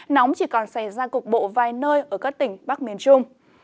nóng chỉ còn xảy ra cục bộ vài nơi ở các tỉnh bắc miền trung